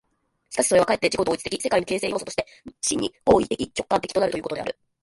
しかしそれはかえって自己同一的世界の形成要素として、真に行為的直観的となるということである。